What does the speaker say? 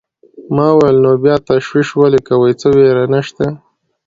ما وویل: نو بیا تشویش ولې کوې، څه وېره نشته.